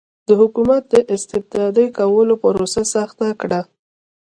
د حکومت د استبدادي کولو پروسه سخته کړه.